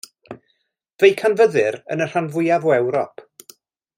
Fe'i canfyddir yn y rhan fwyaf o Ewrop.